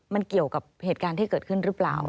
มันเกี่ยวกับเหตุการณ์ที่เกิดขึ้นหรือเปล่า